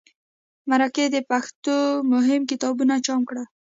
مرکې د پښتو مهم کتابونه چاپ کړل.